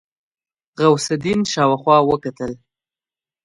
غوث الدين شاوخوا وکتل.